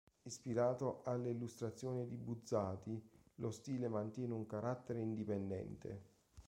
Ispirato alle illustrazioni di Buzzati, lo stile mantiene un carattere indipendente.